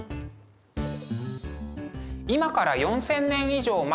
今から４，０００年以上前